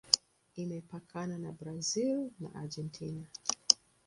Imepakana na Brazil na Argentina.